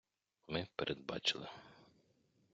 ми передбачили.